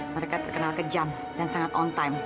mereka terkenal kejam dan sangat on time